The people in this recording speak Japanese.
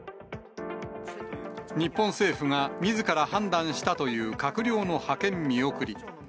日本政府がみずから判断したという閣僚の派遣見送り。